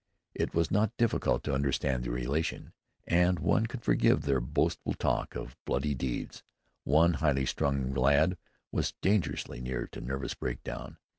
It was not difficult to understand their elation, and one could forgive their boastful talk of bloody deeds. One highly strung lad was dangerously near to nervous breakdown.